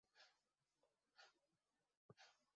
— Тӹдӹ.